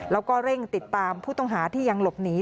แล้วก็เร่งติดตามผู้ต้องหาที่ยังหลบหนี